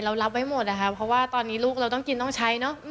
รับไว้หมดนะคะเพราะว่าตอนนี้ลูกเราต้องกินต้องใช้เนอะ